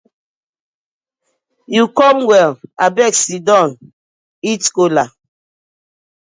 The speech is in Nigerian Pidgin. Yu com well, abeg siddon eat kola.